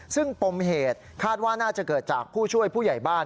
ซึ่งปมเหตุคาดว่าน่าจะเกิดจากผู้ช่วยผู้ใหญ่บ้าน